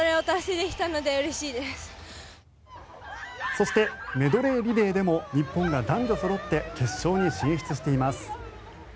そしてメドレーリレーでも日本が男女そろって決勝に進出しています。